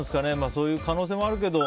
そういう可能性もあるけど。